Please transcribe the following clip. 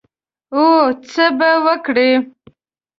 او څه به وکړې؟